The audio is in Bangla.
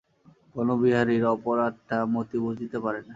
বনবিহারীর অপরাধটা মতি বুঝিতে পারে না।